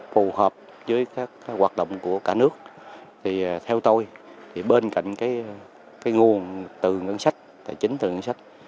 phù hợp với các hoạt động của cả nước thì theo tôi thì bên cạnh cái nguồn từ ngân sách tài chính từ ngân sách